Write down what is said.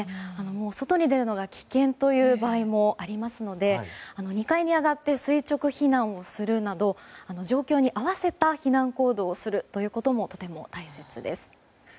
外に出るのが危険という場合もありますので２階に上がって垂直避難をするなど状況に合わせた避難行動をすることも、とても大切です。